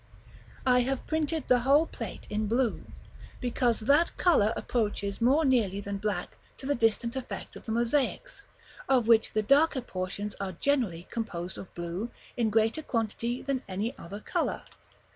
I have printed the whole plate in blue, because that color approaches more nearly than black to the distant effect of the mosaics, of which the darker portions are generally composed of blue, in greater quantity than any other color.